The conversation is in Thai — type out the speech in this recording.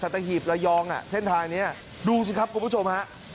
ตะหีบระยองเส้นทางนี้ดูสิครับคุณผู้ชมฮะ